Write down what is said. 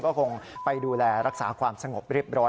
ก็คงไปดูแลรักษาความสงบเรียบร้อย